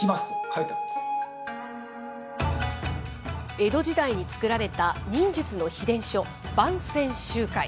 江戸時代に作られた忍術の秘伝書、万川集海。